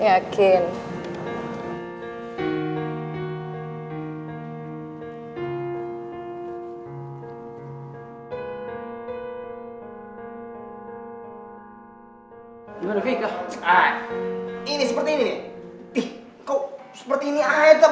ih kok seperti ini aja